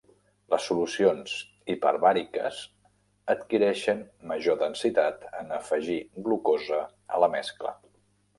Les solucions hiperbàriques adquireixen major densitat en afegir glucosa a la mescla.